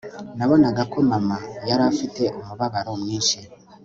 Nabonaga ko mama yari afite umubabaro mwinshi